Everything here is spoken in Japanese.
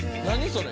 それ。